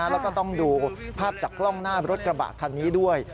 แล้วก็ต้องดูภาพจากกล้องหน้ารถกระบะคันนี้ด้วย